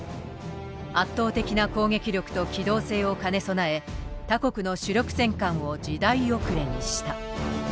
圧倒的な攻撃力と機動性を兼ね備え他国の主力戦艦を時代遅れにした。